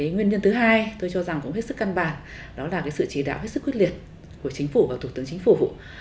nguyên nhân thứ hai tôi cho rằng cũng hết sức căn bản đó là sự chỉ đạo hết sức quyết liệt của chính phủ và thủ tướng chính phủ